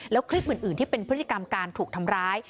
แล้วคลิปอื่นที่เป็นพฤติกรรมการถูกทำร้าย